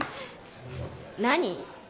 何？